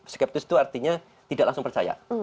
skeptis itu artinya tidak langsung percaya